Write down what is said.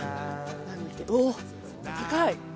おお高い。